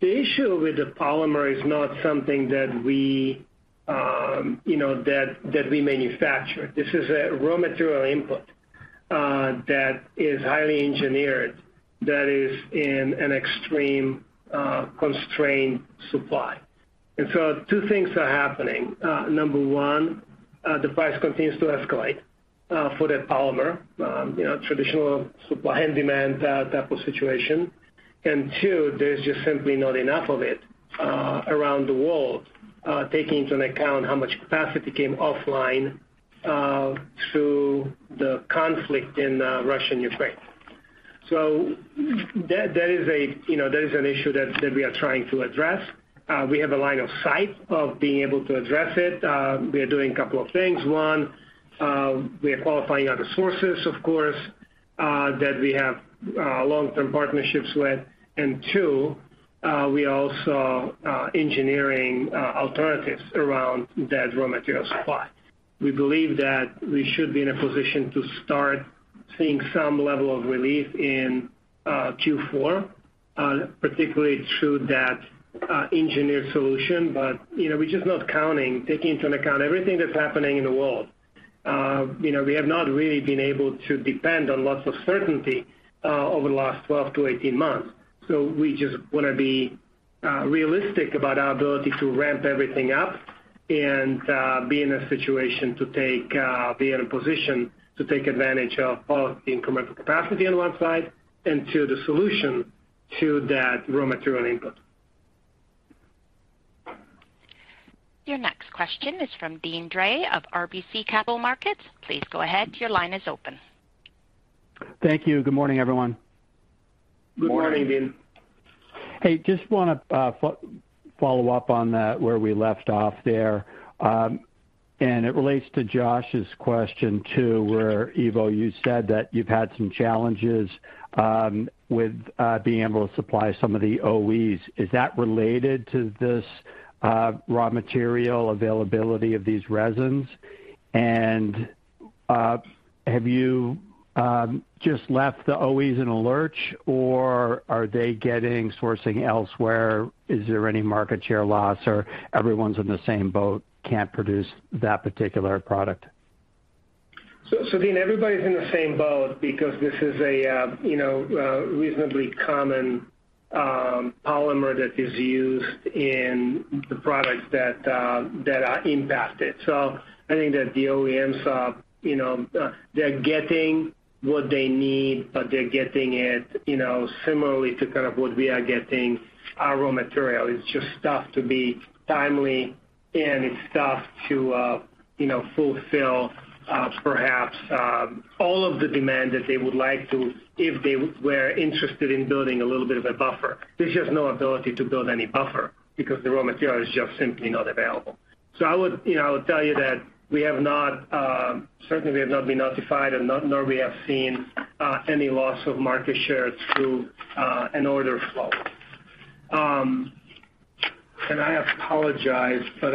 The issue with the polymer is not something that we manufacture. This is a raw material input that is highly engineered that is in an extremely constrained supply. Two things are happening. Number one, the price continues to escalate for the polymer, you know, traditional supply and demand type of situation. Two, there's just simply not enough of it around the world, taking into account how much capacity came offline through the conflict in Russia and Ukraine. That is an issue that we are trying to address. We have a line of sight of being able to address it. We are doing a couple of things. One, we are qualifying other sources, of course, that we have long-term partnerships with. And two, we are also engineering alternatives around that raw material supply. We believe that we should be in a position to start seeing some level of relief in Q4, particularly through that engineered solution. You know, we're just taking into account everything that's happening in the world. You know, we have not really been able to depend on lots of certainty over the last 12-18 months. We just wanna be realistic about our ability to ramp everything up and be in a position to take advantage of both the incremental capacity on one side and the solution to that raw material input. Your next question is from Deane Dray of RBC Capital Markets. Please go ahead, your line is open. Thank you. Good morning, everyone. Good morning, Deane. Hey, just wanna follow up on that, where we left off there. It relates to Josh's question too, where Ivo, you said that you've had some challenges with being able to supply some of the OEMs. Is that related to this raw material availability of these resins? And have you just left the OEMs in a lurch, or are they getting sourcing elsewhere? Is there any market share loss or everyone's in the same boat, can't produce that particular product? Deane Dray, everybody's in the same boat because this is a you know a reasonably common polymer that is used in the products that are impacted. I think that the OEMs are you know they're getting what they need, but they're getting it you know similarly to kind of what we are getting our raw material. It's just tough to be timely, and it's tough to you know fulfill perhaps all of the demand that they would like to if they were interested in building a little bit of a buffer. There's just no ability to build any buffer because the raw material is just simply not available. I would, you know, tell you that we have not certainly been notified nor have we seen any loss of market share through an order flow. I apologize, but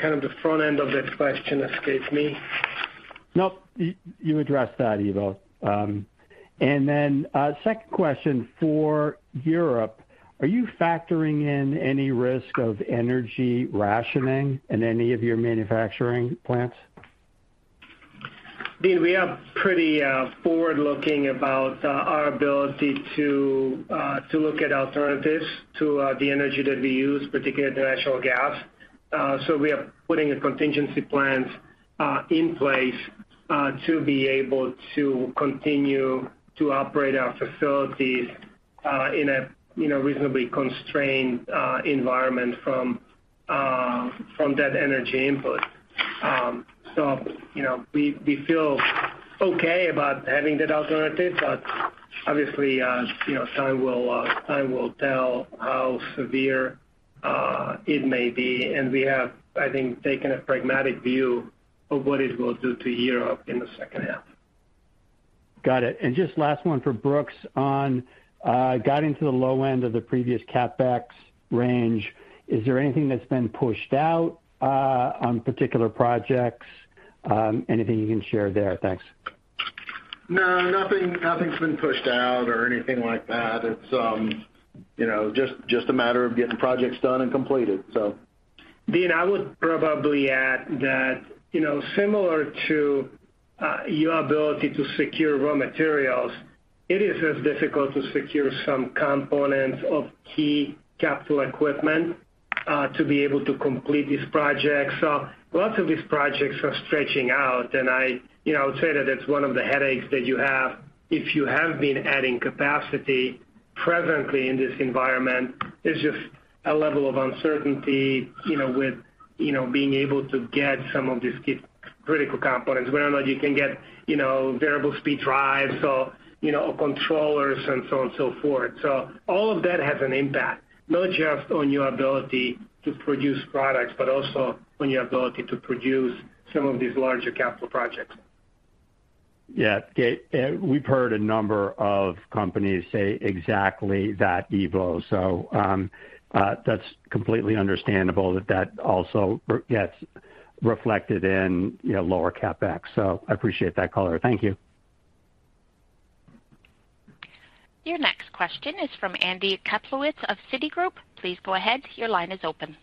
kind of the front end of that question escapes me. Nope. You addressed that, Ivo. Second question for Europe, are you factoring in any risk of energy rationing in any of your manufacturing plants? Deane, we are pretty forward-looking about our ability to look at alternatives to the energy that we use, particularly natural gas. So we are putting contingency plans in place to be able to continue to operate our facilities in a, you know, reasonably constrained environment from that energy input. So, you know, we feel okay about having that alternative, but obviously, you know, time will tell how severe it may be. We have, I think, taken a pragmatic view of what it will do to Europe in the second half. Got it. Just last one for Brooks on guiding to the low end of the previous CapEx range. Is there anything that's been pushed out on particular projects? Anything you can share there? Thanks. No, nothing's been pushed out or anything like that. It's, you know, just a matter of getting projects done and completed, so. Deane, I would probably add that, you know, similar to your ability to secure raw materials, it is as difficult to secure some components of key capital equipment to be able to complete these projects. Lots of these projects are stretching out, and I, you know, would say that it's one of the headaches that you have if you have been adding capacity presently in this environment. There's just a level of uncertainty, you know, with, you know, being able to get some of these key critical components, whether or not you can get, you know, variable speed drives or, you know, controllers and so on and so forth. All of that has an impact, not just on your ability to produce products, but also on your ability to produce some of these larger capital projects. Yeah. Okay. We've heard a number of companies say exactly that, Ivo. That's completely understandable that also gets reflected in, you know, lower CapEx. I appreciate that color. Thank you. Your next question is from Andy Kaplowitz of Citigroup. Please go ahead. Your line is open.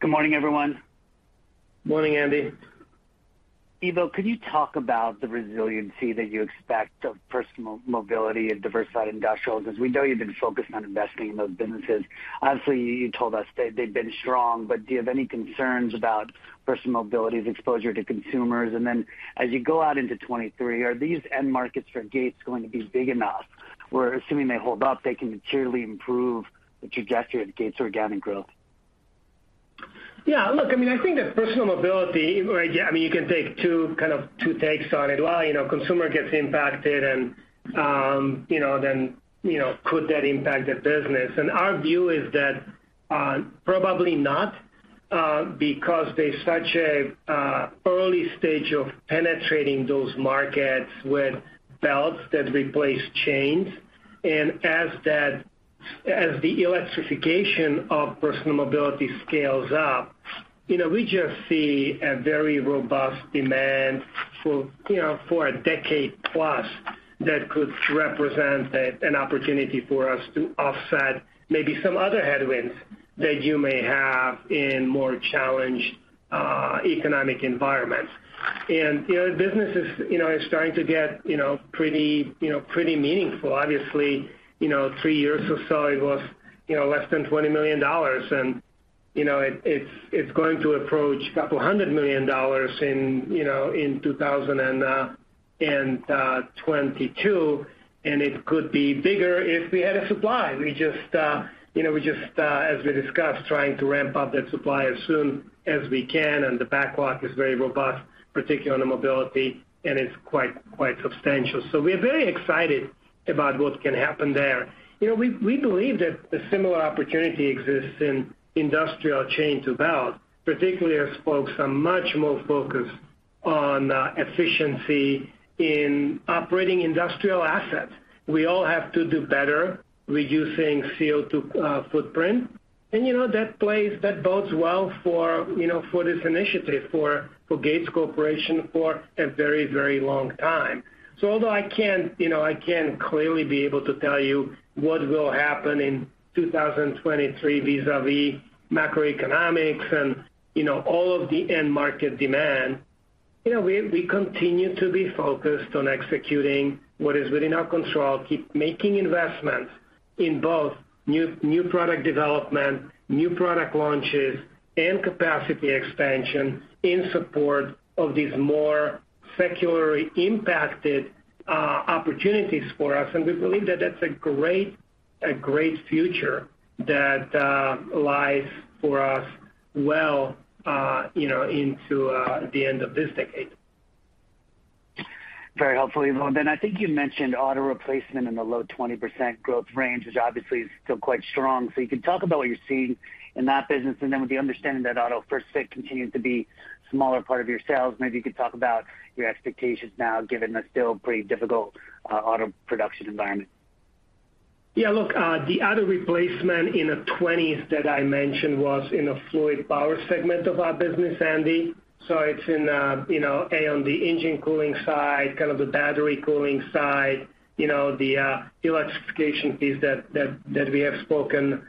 Good morning, everyone. Morning, Andy. Ivo, could you talk about the resiliency that you expect of personal mobility and diversified industrials? As we know you've been focused on investing in those businesses. Obviously, you told us they've been strong, but do you have any concerns about personal mobility's exposure to consumers? Then as you go out into 2023, are these end markets for Gates going to be big enough, where assuming they hold up, they can materially improve the trajectory of Gates organic growth? Yeah. Look, I mean, I think that personal mobility, right, yeah, I mean, you can take two takes on it. Well, you know, consumer gets impacted and, you know, then, you know, could that impact the business? Our view is that, probably not, because there's such a early stage of penetrating those markets with belts that replace chains. As the electrification of personal mobility scales up, you know, we just see a very robust demand for, you know, for a decade plus that could represent an opportunity for us to offset maybe some other headwinds that you may have in more challenged economic environments. You know, business is starting to get, you know, pretty meaningful. Obviously, you know, three years or so it was, you know, less than $20 million and, you know, it's going to approach $200 million in, you know, in 2022, and it could be bigger if we had a supply. We just, you know, as we discussed, trying to ramp up that supply as soon as we can, and the backlog is very robust, particularly on the mobility, and it's quite substantial. We're very excited about what can happen there. You know, we believe that a similar opportunity exists in industrial chain-to-belt, particularly as folks are much more focused on efficiency in operating industrial assets. We all have to do better reducing CO2 footprint. You know, that bodes well for, you know, for this initiative for Gates Corporation for a very, very long time. Although I can't, you know, I can't clearly be able to tell you what will happen in 2023 vis-à-vis macroeconomics and, you know, all of the end market demand, you know, we continue to be focused on executing what is within our control, keep making investments in both new product development, new product launches and capacity expansion in support of these more secularly impacted opportunities for us. We believe that that's a great future that lies for us well, you know, into the end of this decade. Very helpful, Ivo. I think you mentioned auto replacement in the low 20% growth range is obviously still quite strong. You can talk about what you're seeing in that business, and then with the understanding that auto first fit continues to be smaller part of your sales. Maybe you could talk about your expectations now, given the still pretty difficult auto production environment. Look, the auto replacement in the twenties that I mentioned was in the Fluid Power segment of our business, Andy. It's in, you know, A, on the Engine Cooling side, kind of the Battery Cooling side, you know, the electrification piece that we have spoken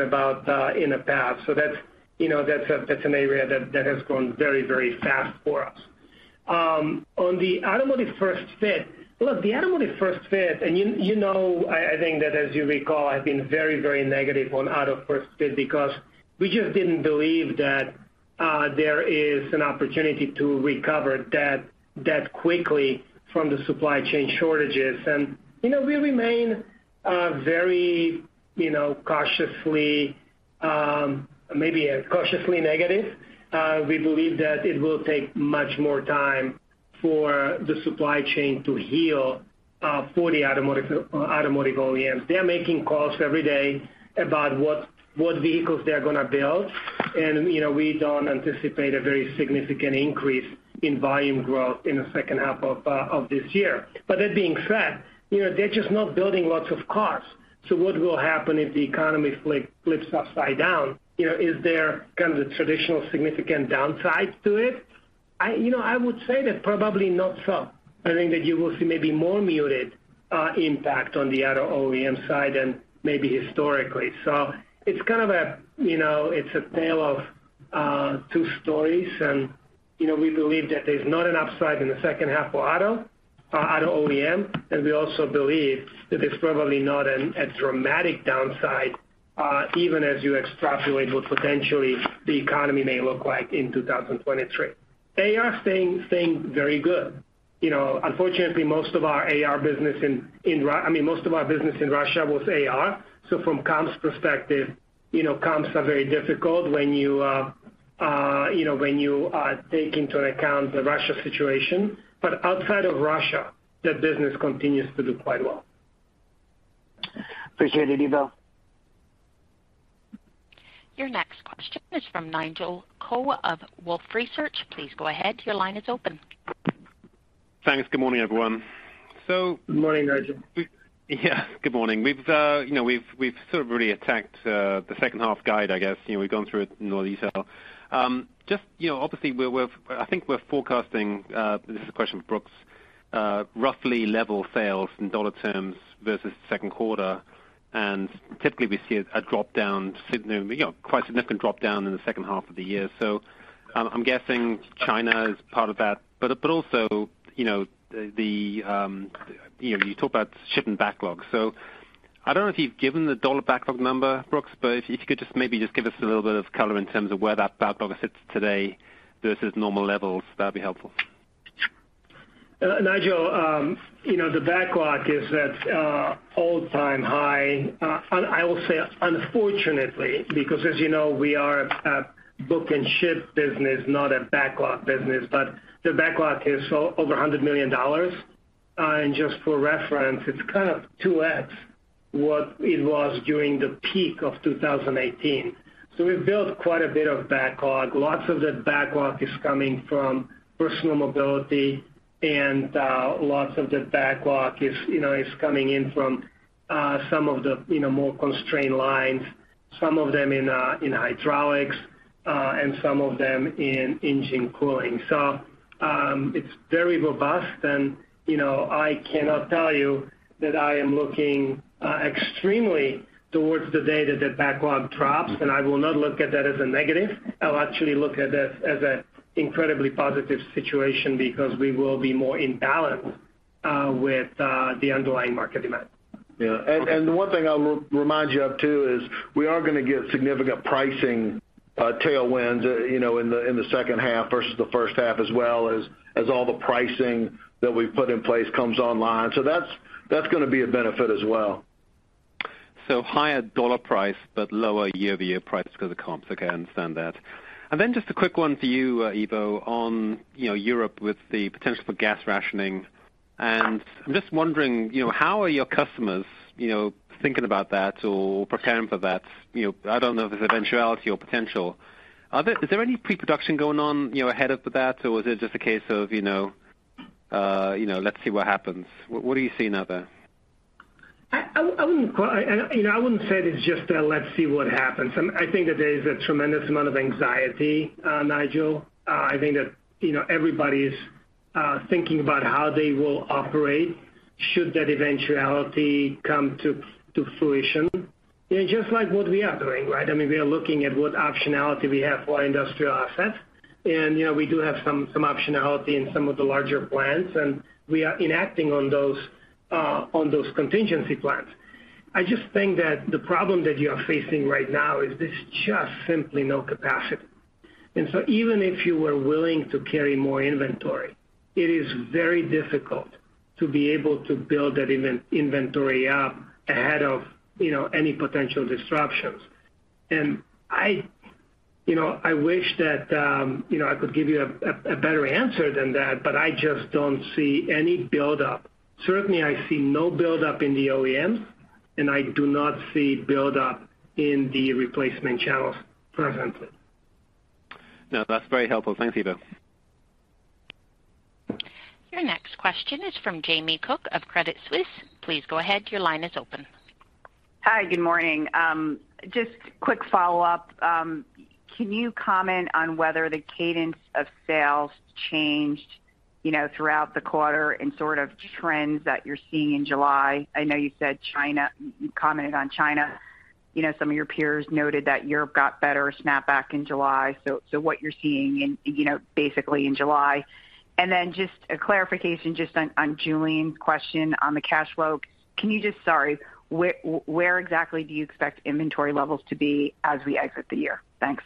about in the past. That's an area that has grown very fast for us. On the automotive first fit. Look, the automotive first fit, you know, I think that as you recall, I've been very negative on auto first fit because we just didn't believe that there is an opportunity to recover that quickly from the supply chain shortages. You know, we remain very, you know, cautiously, maybe cautiously negative. We believe that it will take much more time for the supply chain to heal for the automotive OEMs. They are making calls every day about what vehicles they're gonna build. You know, we don't anticipate a very significant increase in volume growth in the second half of this year. That being said, you know, they're just not building lots of cars. What will happen if the economy flip-flops upside down? You know, is there kind of the traditional significant downside to it? You know, I would say that probably not so. I think that you will see maybe more muted impact on the auto OEM side than maybe historically. You know, it's a tale of two stories. You know, we believe that there's not an upside in the second half for auto OEM. We also believe that it's probably not a dramatic downside, even as you extrapolate what potentially the economy may look like in 2023. AR staying very good. You know, unfortunately, I mean, most of our business in Russia was AR. So from comps perspective, you know, comps are very difficult when you know, when you take into account the Russia situation. But outside of Russia, the business continues to do quite well. Appreciate it, Ivo. Your next question is from Nigel Coe of Wolfe Research. Please go ahead. Your line is open. Thanks. Good morning, everyone. Good morning, Nigel. Yeah. Good morning. You know, we've sort of really attacked the second half guide, I guess. You know, we've gone through it in a lot of detail. Just, you know, obviously, I think we're forecasting. This is a question for Brooks. Roughly level sales in dollar terms versus second quarter, and typically we see a drop-down seasonally, you know, quite significant drop-down in the second half of the year. I'm guessing China is part of that. But also, you know, the, you talk about shipping backlog. I don't know if you've given the dollar backlog number, Brooks, but if you could just maybe just give us a little bit of color in terms of where that backlog sits today versus normal levels, that'd be helpful. Nigel, you know, the backlog is at all-time high. I will say unfortunately, because as you know, we are a book and ship business, not a backlog business, but the backlog is over $100 million. Just for reference, it's kind of 2x what it was during the peak of 2018. We've built quite a bit of backlog. Lots of the backlog is coming from Personal Mobility and lots of the backlog is, you know, coming in from some of the, you know, more constrained lines, some of them in hydraulics, and some of them in Engine Cooling. It's very robust and, you know, I cannot tell you that I am looking extremely towards the day that the backlog drops, and I will not look at that as a negative. I'll actually look at that as a incredibly positive situation because we will be more in balance with the underlying market demand. Yeah. The one thing I'll remind you of too is we are gonna get significant pricing tailwinds, you know, in the second half versus the first half, as well as all the pricing that we've put in place comes online. That's gonna be a benefit as well. Higher dollar price, but lower year-over-year price because of comps. Okay, I understand that. Just a quick one for you, Ivo, on, you know, Europe with the potential for gas rationing. I'm just wondering, you know, how are your customers, you know, thinking about that or preparing for that? You know, I don't know if it's eventuality or potential. Is there any pre-production going on, you know, ahead of that, or is it just a case of, you know, let's see what happens? What do you see now there? I wouldn't say it is just a let's see what happens. You know, I think that there is a tremendous amount of anxiety, Nigel. I think that, you know, everybody's thinking about how they will operate should that eventuality come to fruition. Just like what we are doing, right? I mean, we are looking at what optionality we have for our industrial assets. You know, we do have some optionality in some of the larger plants, and we are enacting on those contingency plans. I just think that the problem that you are facing right now is there's just simply no capacity. Even if you were willing to carry more inventory, it is very difficult to be able to build that inventory up ahead of, you know, any potential disruptions. I, you know, I wish that, you know, I could give you a better answer than that, but I just don't see any buildup. Certainly, I see no buildup in the OEMs, and I do not see buildup in the replacement channels presently. No, that's very helpful. Thanks, Ivo. Your next question is from Jamie Cook of Credit Suisse. Please go ahead. Your line is open. Hi, good morning. Just quick follow-up. Can you comment on whether the cadence of sales changed, you know, throughout the quarter and sort of trends that you're seeing in July? I know you said China. You commented on China. You know, some of your peers noted that Europe got better, snapped back in July, so what you're seeing in, you know, basically in July. Just a clarification just on Julian's question on the cash flow. Sorry. Where exactly do you expect inventory levels to be as we exit the year? Thanks.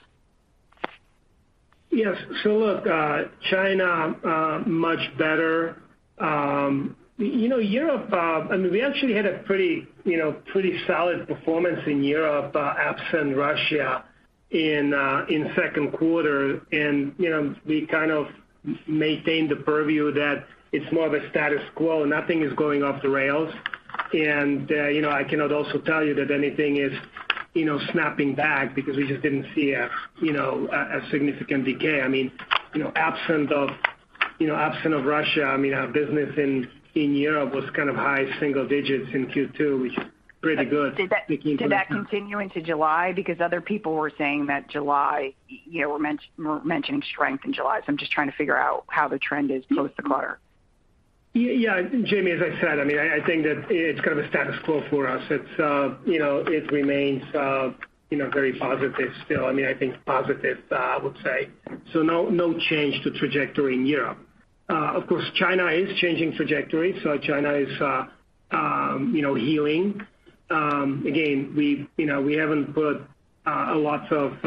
Yes. Look, China, much better. You know, Europe, we actually had a pretty solid performance in Europe, absent Russia, in second quarter. You know, we kind of maintained the purview that it's more of a status quo. Nothing is going off the rails. You know, I cannot also tell you that anything is, you know, snapping back because we just didn't see a significant decay. I mean, you know, absent of Russia, I mean, our business in Europe was kind of high single digits in Q2, which is pretty good. Did that continue into July? Because other people were saying that July, you know, were mentioning strength in July, so I'm just trying to figure out how the trend is post the quarter. Yeah. Jamie, as I said, I mean, I think that it's kind of a status quo for us. It's, you know, it remains, you know, very positive still. I mean, I think positive, I would say. No change to trajectory in Europe. Of course, China is changing trajectory, so China is, you know, healing. Again, we, you know, we haven't put lots of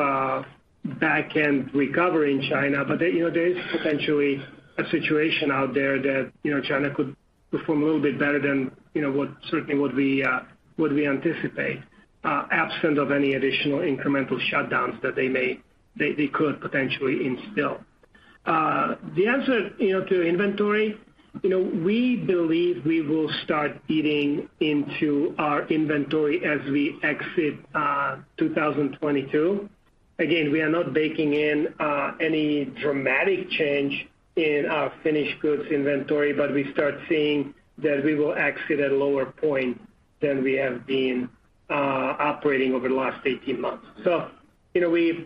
backend recovery in China, but there, you know, there is potentially a situation out there that, you know, China could perform a little bit better than, you know, what we anticipate, absent of any additional incremental shutdowns that they could potentially instill. The answer, you know, to inventory, you know, we believe we will start eating into our inventory as we exit 2022. Again, we are not baking in any dramatic change in our finished goods inventory, but we start seeing that we will exit at a lower point than we have been operating over the last 18 months. You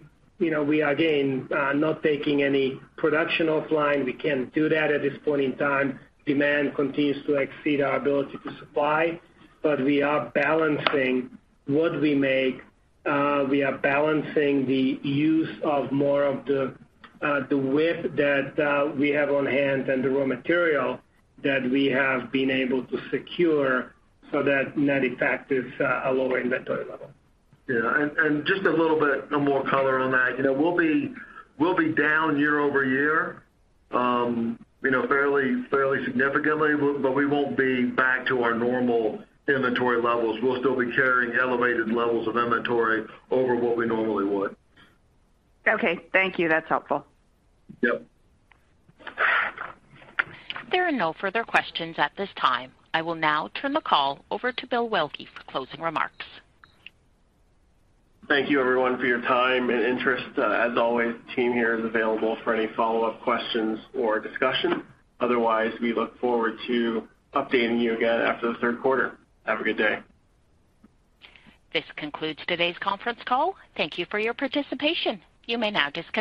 know, we are again not taking any production offline. We can't do that at this point in time. Demand continues to exceed our ability to supply, but we are balancing what we make. We are balancing the use of more of the WIP that we have on hand and the raw material that we have been able to secure so that net effect is a lower inventory level. Yeah. Just a little bit more color on that. You know, we'll be down year-over-year, you know, fairly significantly, but we won't be back to our normal inventory levels. We'll still be carrying elevated levels of inventory over what we normally would. Okay. Thank you. That's helpful. Yep. There are no further questions at this time. I will now turn the call over to Bill Waelke for closing remarks. Thank you everyone for your time and interest. As always, the team here is available for any follow-up questions or discussion. Otherwise, we look forward to updating you again after the third quarter. Have a good day. This concludes today's conference call. Thank you for your participation. You may now disconnect.